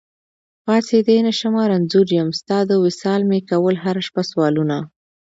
پاڅېدی نشمه رنځور يم، ستا د وصال مي کول هره شپه سوالونه